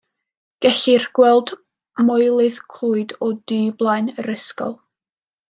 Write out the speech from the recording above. Gellir gweld Moelydd Clwyd o du blaen yr ysgol.